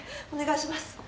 お願いします。